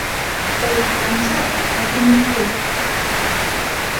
ওর আরাম চাও নাকি মৃত্যু?